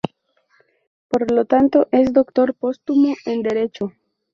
Por lo tanto, es doctor póstumo en Derecho.